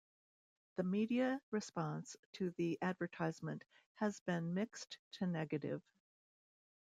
The media response to the advertisement has been mixed to negative.